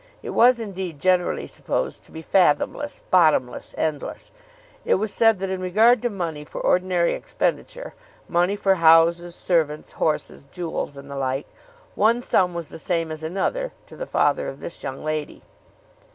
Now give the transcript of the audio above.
It was, indeed, generally supposed to be fathomless, bottomless, endless. It was said that in regard to money for ordinary expenditure, money for houses, servants, horses, jewels, and the like, one sum was the same as another to the father of this young lady.